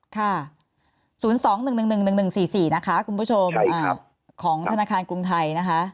ค่ะ๐๒๑๑๑๑๑๑๑๔๔นะคะคุณผู้ชมของธนาคารกรุงไทยนะคะ